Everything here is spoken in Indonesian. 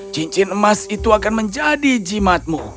cincin emas itu akan menjadi jimatmu